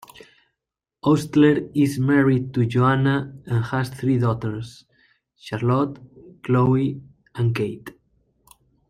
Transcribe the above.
Oastler is married to Joanna and has three daughters, Charlotte, Chloe and Kate.